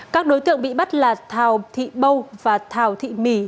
các đối tượng bị bắt là thảo thị bâu và thảo thị mỉ